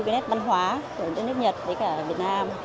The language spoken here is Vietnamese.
cái nét văn hóa của đất nước nhật với cả việt nam